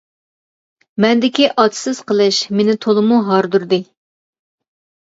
مەندىكى ئاتىسىز قېلىش مېنى تولىمۇ ھاردۇردى.